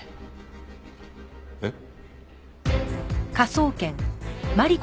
えっ？